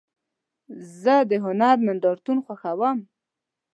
زه د هنر نندارتون خوښوم.